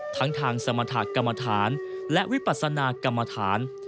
ทั้งทางสมรรถากรรมฐานและวิปัสนากรรมฐาน